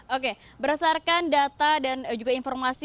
oke berdasarkan data dan juga informasi